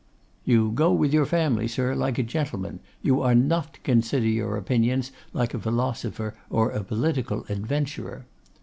'You go with your family, sir, like a gentleman; you are not to consider your opinions, like a philosopher or a political adventurer.